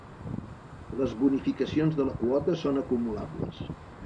Les bonificacions de la quota són acumulables.